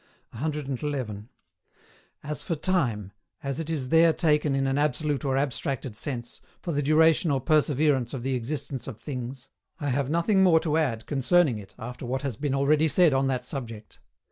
111. As for Time, as it is there taken in an absolute or abstracted sense, for the duration or perseverance of the existence of things, I have nothing more to add concerning it after what has been already said on that subject.